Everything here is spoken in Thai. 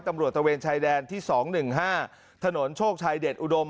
ตะเวนชายแดนที่๒๑๕ถนนโชคชัยเดชอุดม